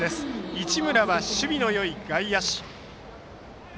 市村は守備のよい外野手。